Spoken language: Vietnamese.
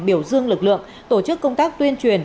biểu dương lực lượng tổ chức công tác tuyên truyền